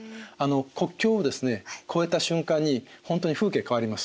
国境をですね越えた瞬間に本当に風景変わります。